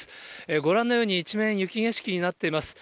ご覧のように、一面雪景色になっています。